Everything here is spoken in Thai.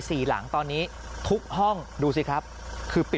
ต่างผู้หญิงผู้ชายเลยเหรอ